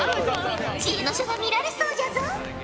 知恵の書が見られそうじゃぞ。